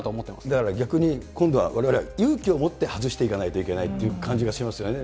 だから逆に今度はわれわれ、勇気を持って外していかないといけないという感じがしますよね。